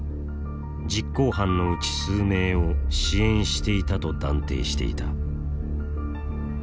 実行犯のうち数名を支援していたと断定していた。